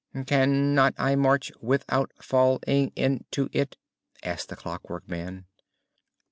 "Can not I march without fall ing in to it?" asked the Clockwork Man.